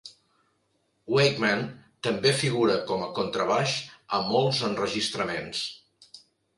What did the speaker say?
Wakeman també figura com a contrabaix a molts enregistraments.